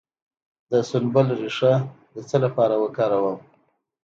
د سنبل ریښه د څه لپاره وکاروم؟